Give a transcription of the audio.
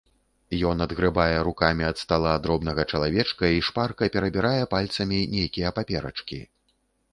Ён адгрэбае рукамі ад стала дробнага чалавека і шпарка перабірае пальцамі нейкія паперачкі.